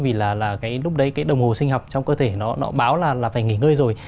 vì là cái lúc đấy cái đồng hồ sinh học trong cơ thể nó báo là phải nghỉ ngơi rồi